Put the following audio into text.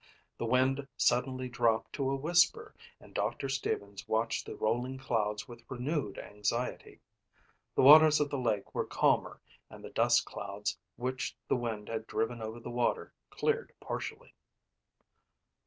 The wind suddenly dropped to a whisper and Doctor Stevens watched the rolling clouds with renewed anxiety. The waters of the lake were calmer and the dust clouds which the wind had driven over the water cleared partially.